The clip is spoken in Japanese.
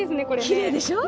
きれいでしょ？